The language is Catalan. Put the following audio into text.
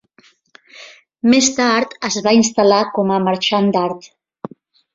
Més tard es va instal·lar com a marxant d'art.